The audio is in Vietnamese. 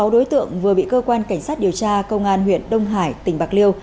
sáu đối tượng vừa bị cơ quan cảnh sát điều tra công an huyện đông hải tỉnh bạc liêu